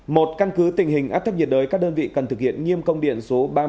một căn cứ tình hình áp thấp nhiệt đới các đơn vị cần thực hiện nghiêm công điện số ba mươi